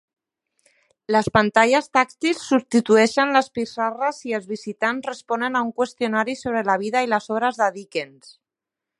Les pantalles tàctils substitueixen les pissarres i els visitants responen a un qüestionari sobre la vida i les obres de Dickens.